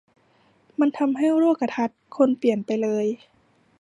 มันทำให้โลกทัศน์คนเปลี่ยนไปเลย